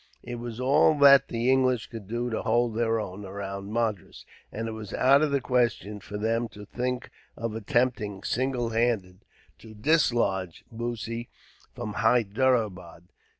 It was all that the English could do to hold their own, around Madras; and it was out of the question for them to think of attempting, single handed, to dislodge Bussy from Hyderabad.